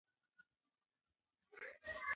که ونې په وخت اوبه نه شي نو وچېږي.